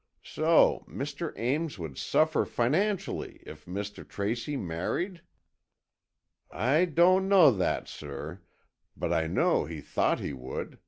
So Mr. Ames would suffer financially if Mr. Tracy married?" "I don't know that, sir, but I know he thought he would.